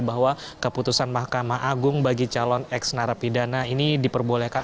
bahwa keputusan mahkamah agung bagi calon eks nara pidana ini diperbolehkan